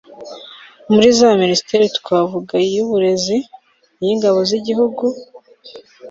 muriza minisiteri twavugai y'uburezi, iy'ingabo z'igihugu